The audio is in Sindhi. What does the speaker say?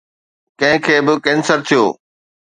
ڪنهن کي به ڪينسر ٿيو؟